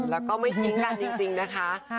แล้วก็ไม่จริงนะคะ